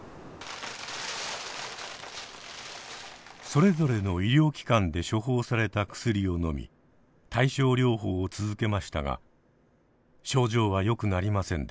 それぞれの医療機関で処方された薬をのみ対症療法を続けましたが症状はよくなりませんでした。